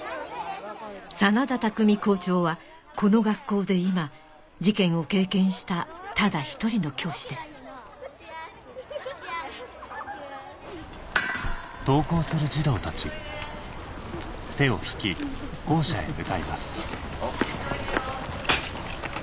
眞田巧校長はこの学校で今事件を経験したただ一人の教師ですいい子やね。